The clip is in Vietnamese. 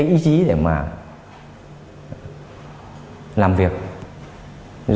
khi thấy bất kỳ người lạ mặt nào vào địa bàn